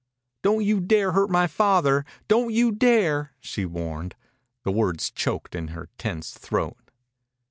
"Don't you dare hurt my father! Don't you dare!" she warned. The words choked in her tense throat.